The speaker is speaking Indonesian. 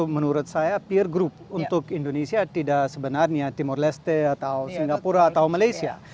menurut saya peer group untuk indonesia tidak sebenarnya timur leste atau singapura atau malaysia